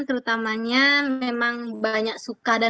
terutamanya memang banyak suka dan dukanya dalam melaksanakan